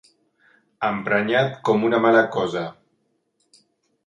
Emprenyat com una mala cosa.